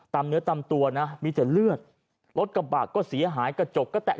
เนื้อตามตัวนะมีแต่เลือดรถกระบะก็เสียหายกระจกก็แตก